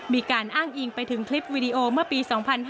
มีการอ้างอิงไปถึงคลิปวิดีโอเมื่อปี๒๕๕๙